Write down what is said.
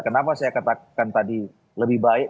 kenapa saya katakan tadi lebih baik